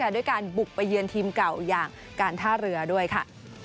ด้วยการบุกไปเยือนทีมเก่าอย่างการท่าเรือด้วยค่ะ